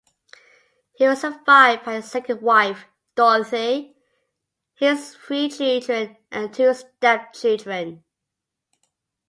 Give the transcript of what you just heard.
He was survived by his second wife, Dorothy, his three children and two stepchildren.